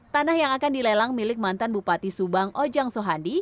tanah yang akan dilelang milik mantan bupati subang ojang sohandi